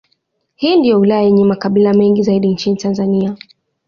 Hii ndiyo wilaya yenye makabila mengi zaidi nchini Tanzania.